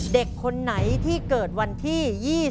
เด็กคนไหนที่เกิดวันที่๒๒